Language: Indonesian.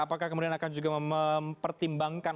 apakah kemudian akan juga mempertimbangkan